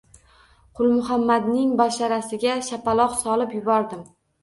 Qulmuhammadning basharasiga shapaloqlab solib yubordim.